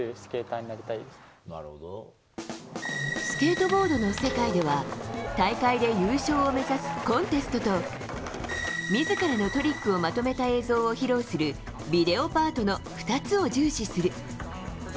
スケートボードの世界では大会で優勝を目指すコンテストと自らのトリックをまとめた映像を披露するビデオパートの２つを重視する。